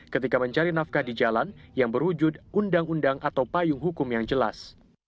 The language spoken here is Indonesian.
ketika mencari nafkah di jalan yang berwujud undang undang atau payung hukum yang jelas